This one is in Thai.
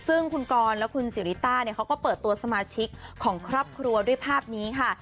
ซึ่งคุณกรและคุณสิริต้าเนี่ยเขาก็เปิดตัวสมาชิกของครอบครัวด้วยภาพนี้ค่ะ